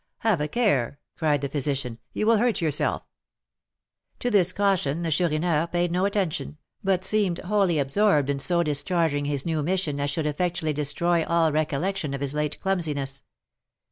"Have a care!" cried the physician. "You will hurt yourself!" To this caution the Chourineur paid no attention, but seemed wholly absorbed in so discharging his new mission as should effectually destroy all recollection of his late clumsiness.